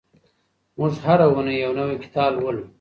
موږ هره اونۍ یو نوی کتاب لولو.